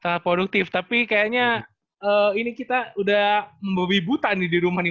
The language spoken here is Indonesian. sangat produktif tapi kayaknya ini kita udah membobibutan di rumah nih